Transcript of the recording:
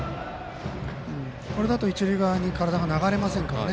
これだと一塁側に体が流れませんからね。